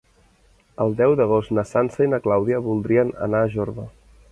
El deu d'agost na Sança i na Clàudia voldrien anar a Jorba.